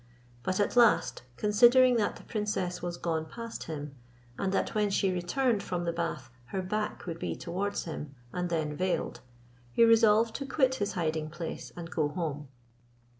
But at last, considering that the princess was gone past him, and that when she returned from the bath her back would be towards him, and then veiled, he resolved to quit his hiding place and go home.